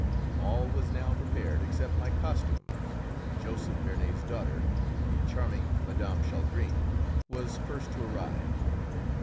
All was now prepared except my costumes, when Joseph Vernet's daughter, the charming Mme. Chalgrin, was first to arrive.